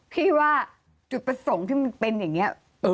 พี่ว่าจุดประสงค์ที่มันเป็นอย่างนี้